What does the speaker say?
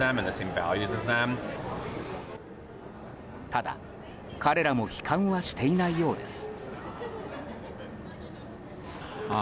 ただ、彼らも悲観はしていないようです。